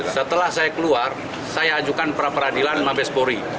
setelah saya keluar saya ajukan pra peradilan mabespori